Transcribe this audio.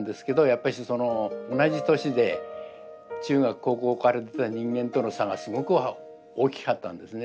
やっぱしその同じ年で中学高校からやってた人間との差がすごく大きかったんですね。